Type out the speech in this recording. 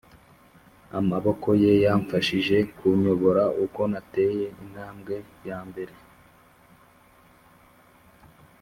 amaboko ye yamfashije kunyobora uko nateye intambwe yambere.